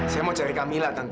saya mau cari camilla tante